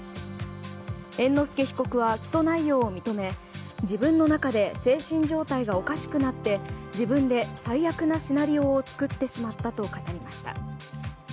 猿之助被告は起訴内容を認め自分の中で精神状態がおかしくなって自分で最悪なシナリオを作ってしまったと語りました。